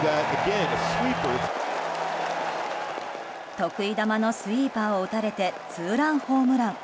得意球のスイーパーを打たれてツーランホームラン。